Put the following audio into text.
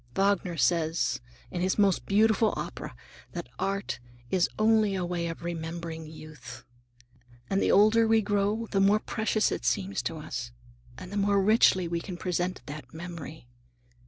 Wagner says, in his most beautiful opera, that art is only a way of remembering youth. And the older we grow the more precious it seems to us, and the more richly we can present that memory.